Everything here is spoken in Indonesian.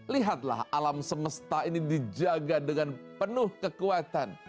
lihatlah alam semesta ini dijaga dengan penuh kekuatan